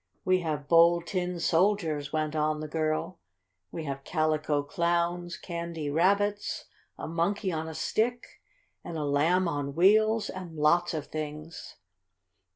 "We have Bold Tin Soldiers," went on the girl. "We have Calico Clowns, Candy Rabbits, a Monkey on a Stick, and a Lamb on Wheels, and lots of things."